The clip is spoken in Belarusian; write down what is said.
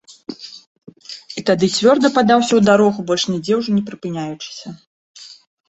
І тады цвёрда падаўся ў дарогу, больш нідзе ўжо не прыпыняючыся.